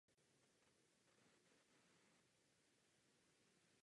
Zajímalo by mne, zda lze ještě hovořit o demokratickém otevírání.